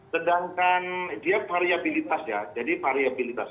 sedangkan dia variabilitas ya jadi variabilitas